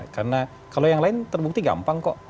karena kalau yang lain terbukti gampang kok